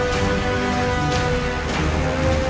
สถานการณ์ข้อมูล